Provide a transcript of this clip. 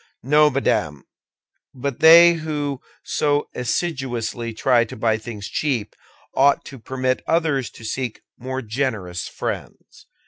"No, madame; but they who so assiduously try to buy things cheap ought to permit others to seek more generous friends."